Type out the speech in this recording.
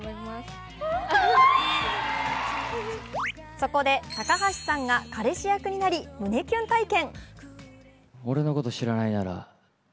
そこで高橋さんが彼氏役になり、胸キュン体験。